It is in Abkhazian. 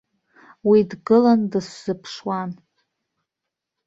Уи дгылан дысзыԥшуан.